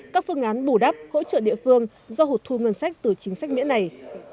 các phương án bù đắp hỗ trợ địa phương do hụt thu ngân sách từ chính sách miễn này